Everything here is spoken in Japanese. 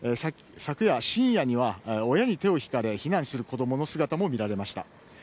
昨夜、深夜には親に手を引かれ避難する子供の姿も見られました。